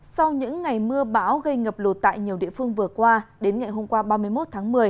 sau những ngày mưa bão gây ngập lột tại nhiều địa phương vừa qua đến ngày hôm qua ba mươi một tháng một mươi